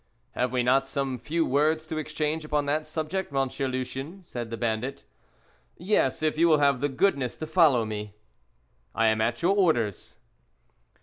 "Have we not some few words to exchange upon that subject, Monsieur Lucien," said the bandit. "Yes, if you will have the goodness to follow me." "I am at your orders."